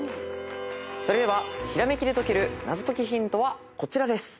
それではひらめきで解ける謎解きヒントはこちらです。